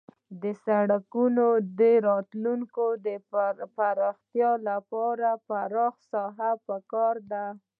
د سرک د راتلونکي پراختیا لپاره پراخه ساحه پکار ده